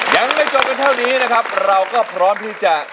ยังไม่จบกันเท่านี้นะครับเราก็พร้อมที่จะ